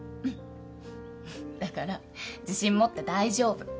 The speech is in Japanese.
うんだから自信持って大丈夫。